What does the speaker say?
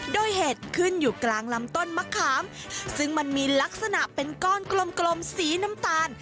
โดยเห็ดขึ้นอยู่กลางลำต้นมะขามซึ่งมันมีลักษณะเป็นก้อนกลมสีน้ำตาล